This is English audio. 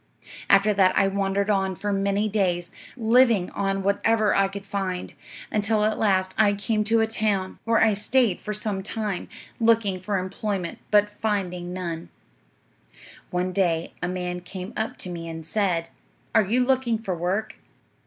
"'After that I wandered on for many days, living on whatever I could find, until at last I came to a town, where I stayed for some time, looking for employment but finding none. "'One day a man came up to me and said, "Are you looking for work?"